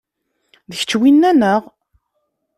D kečč winna, neɣ?